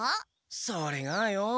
それがよ。